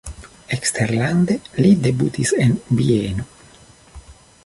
Eksterlande li debutis en Vieno.